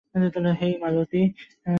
হেই, মালতী!